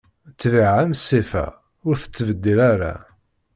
Ṭṭbiɛa am ṣṣifa, ur tettbeddil ara.